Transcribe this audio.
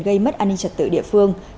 gây mất an ninh trật tự địa phương